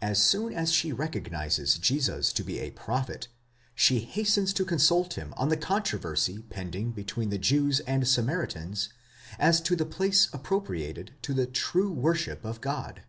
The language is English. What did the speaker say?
As soon as she has recognised Jesus to be a prophet, she hastens to consult him on the controversy pending between the Jews and Samaritans, as to the place appro priated to the true worship of God (v.